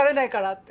って。